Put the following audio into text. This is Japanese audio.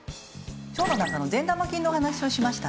腸の中の善玉菌のお話をしました。